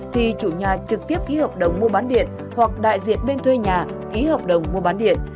thì chủ nhà trực tiếp ký hợp đồng mua bán điện hoặc đại diện bên thuê nhà ký hợp đồng mua bán điện